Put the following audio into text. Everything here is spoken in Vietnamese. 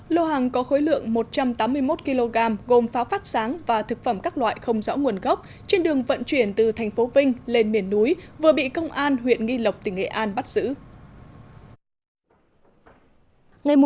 lô hàng có khối lượng một trăm tám mươi một kg gồm pháo phát sáng và thực phẩm các loại không rõ nguồn gốc trên đường vận chuyển từ thành phố vinh lên miền núi vừa bị công an huyện nghi lộc tỉnh nghệ an bắt giữ